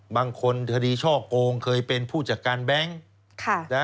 บางทีช่อโกงเคยเป็นผู้จัดการแบงค์